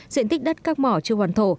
diện tích đất các mỏ chưa hoàn thổ